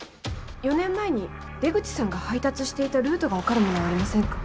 ４年前に出口さんが配達していたルートが分かるものはありませんか？